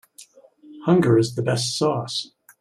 Hunger is the best sauce.